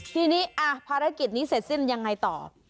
ทีนี้ภารกิจนี้เสร็จสิ้นยังไงต่อ